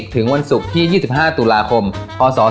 ถึงวันศุกร์ที่๒๕ตุลาคมพศ๒๕